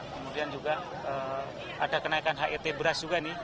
kemudian juga ada kenaikan hit beras juga nih